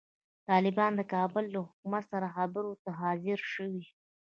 طالبان د کابل له حکومت سره خبرو ته حاضر شوي.